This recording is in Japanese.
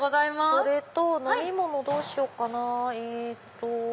それと飲み物どうしようかなえっと